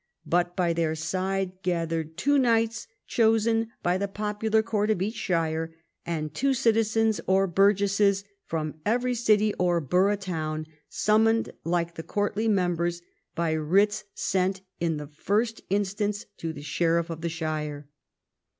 But by their side gathered two knights chosen by the popular court of each shire, and two citizens or biirgesses from every city or borough town, summoned like the county members by writs sent in the first instance to the sheriff" of the shire.